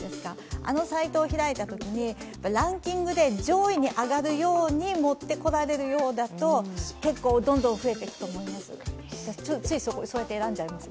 あのサイトを開いたときに、ランキングで上位に上がるようにもってこられるようだと結構どんどん増えていくと思います、つい、そうやって選んじゃいます。